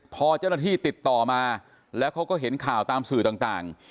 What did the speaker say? พอเจ้าหน้าที่ติดต่อมาแล้วเขาก็เห็นข่าวตามสื่อต่าง